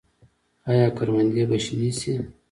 آیا کروندې به شنې شي؟